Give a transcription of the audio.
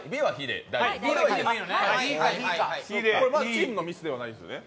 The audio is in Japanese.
チームのミスではないですよね。